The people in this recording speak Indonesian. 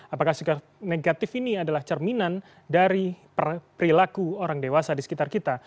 apakah sikap negatif ini adalah cerminan dari perilaku orang dewasa di sekitar kita